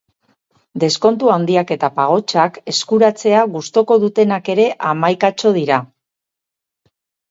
Deskontu handiak eta pagotxak eskuratzea gustuko dutenak ere hamaikatxo dira.